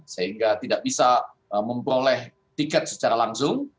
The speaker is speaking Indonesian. sehingga tidak bisa memperoleh tiket secara langsung